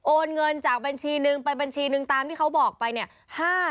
โอนเงินจากบัญชีหนึ่งไปบัญชีนึงตามที่เขาบอกไปเนี่ย